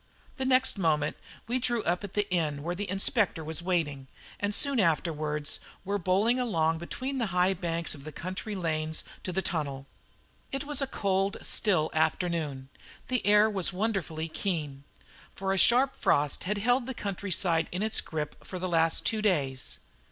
The next moment we drew up at the inn where the Inspector was waiting, and soon afterwards were bowling along between the high banks of the country lanes to the tunnel. It was a cold, still afternoon; the air was wonderfully keen, for a sharp frost had held the countryside in its grip for the last two days.